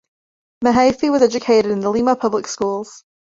Mehaffey was educated in the Lima public schools.